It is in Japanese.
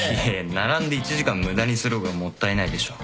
並んで１時間無駄にする方がもったいないでしょ。